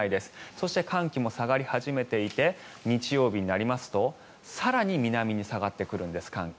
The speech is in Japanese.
そして、寒気も下がり始めていて日曜日になりますと更に南に下がってくるんです寒気。